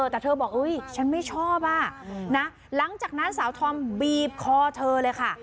แต่เธอบอกอุ๊ยฉันไม่ชอบอ่ะนะหลังจากนั้นสาวธอมบีบคอเธอเลยค่ะ